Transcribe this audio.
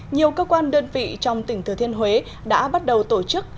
nhiều cơ quan đơn vị trong tỉnh thừa thiên huế đã bắt đầu tổ chức